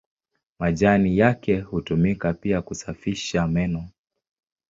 Majani yake hutumika pia kusafisha meno.